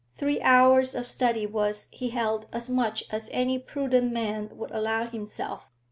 Three hours of study was, he held, as much as any prudent man would allow himself.